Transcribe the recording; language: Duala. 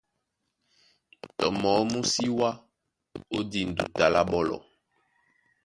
Tɔ mɔɔ́ mú sí wá ó dîn duta lá ɓɔ́lɔ.